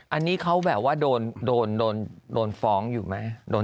อันนี้เขาแบบว่าโดนฟ้องอยู่ไหม